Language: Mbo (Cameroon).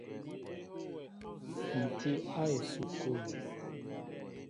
Ǹ tí a esukul.